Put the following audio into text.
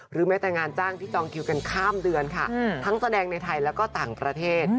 แม้แต่งานจ้างที่จองคิวกันข้ามเดือนค่ะทั้งแสดงในไทยแล้วก็ต่างประเทศ